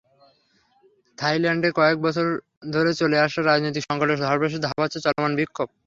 থাইল্যান্ডে কয়েক বছর ধরে চলে আসা রাজনৈতিক সংকটের সর্বশেষ ধাপ হচ্ছে চলমান বিক্ষোভ।